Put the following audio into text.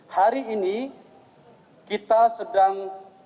hari ini kita sedang